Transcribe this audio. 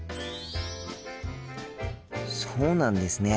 そうなんですね。